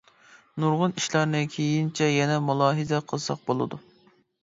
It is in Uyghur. نۇرغۇن ئىشلارنى كېيىنچە يەنە مۇلاھىزە قىلساق بولىدۇ.